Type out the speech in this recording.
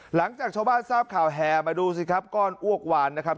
หลังจากชาวบ้านทราบข่าวแห่มาดูสิครับก้อนอ้วกวานนะครับ